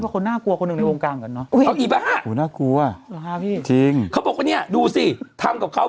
เขาเรียกว่าคนน่ากลัวคนหนึ่งในวงกลางกันเนอะ